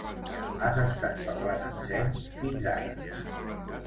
Has estat parlant amb seny fins ara.